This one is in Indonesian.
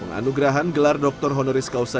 penganugerahan gelar doktor honoris causa